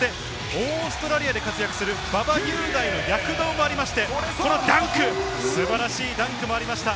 そしてオーストラリアで活躍する馬場雄大の躍動もありまして、素晴らしいダンクもありました。